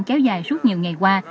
kéo dài suốt nhiều ngày qua